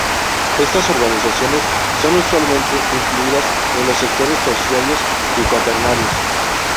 Estas organizaciones son usualmente incluidas en los sectores terciarios y cuaternarios.